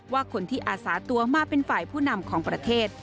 ว่าคนที่อาสาตัวมาเป็นฝ่ายผู้นำของประเทศ